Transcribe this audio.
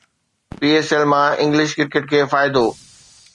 P S L مان English cricket کي فائدو